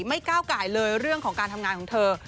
ก้าวไก่เลยเรื่องของการทำงานของเธอ